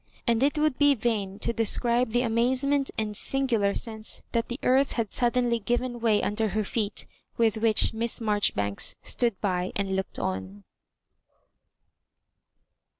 And it would be vain to describe the amazement and singular sense that the earth had suddenly given way under her feet, with which Miss Marjoribanks stood by and looked on.